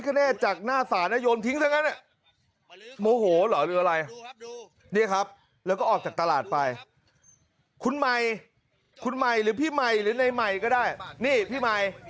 คนะแน่จากหน้าศานน่ะโยนทิ้งทั้งเนอะโมโฮเหรอหรืออะไรดูครับด้วย